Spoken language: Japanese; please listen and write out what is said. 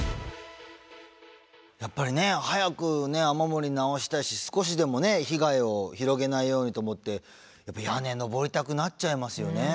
やっぱりね早く雨漏り直したいし少しでもね被害を広げないようにと思ってやっぱ屋根上りたくなっちゃいますよね。